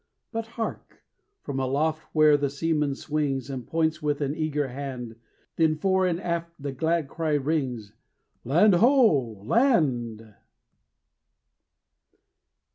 But hark! from aloft where the seaman swings, And points with an eager hand, Then fore and aft the glad cry rings Land, ho, land!